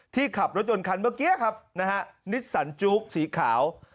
ที่ขับรถยนต์คันเมื่อกี้นิสสันจุ๊กสีขาว